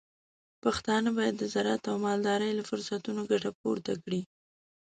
پښتانه بايد د زراعت او مالدارۍ له فرصتونو ګټه پورته کړي.